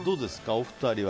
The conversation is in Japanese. お二人は。